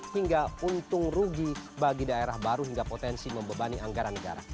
hingga untung rugi bagi daerah baru hingga potensi membebani anggaran negara